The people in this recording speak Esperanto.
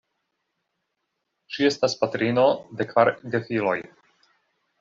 Ŝi estas patrino de kvar gefiloj.